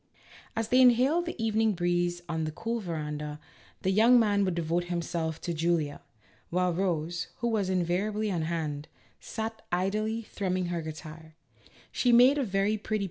As they inhaled the evening breezes on the cool veranda, the young man would devote himself to Julia, while Rose (who was invariably on hand) sat idly thrumming her guitar ; she made a very pretty 88 A LITTLE STUDY IN COMMON SENSE.